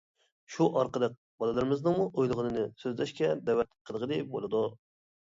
شۇ ئارقىلىق بالىلىرىمىزنىڭمۇ ئويلىغىنىنى سۆزلەشكە دەۋەت قىلغىلى بولىدۇ.